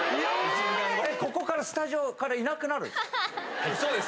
ここから、スタジオからいなそうです。